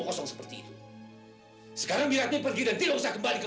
kasus ini masih dalam penyelidikan